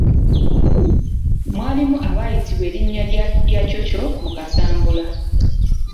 Mwalimu abayitibwa erinnya erya yakyokyo mu kasambula.